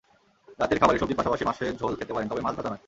রাতের খাবারে সবজির পাশাপাশি মাছের ঝোল খেতে পারেন, তবে মাছ ভাজা নয়।